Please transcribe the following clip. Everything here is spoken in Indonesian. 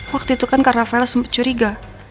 waktu itu kan kak rafael sempet curiga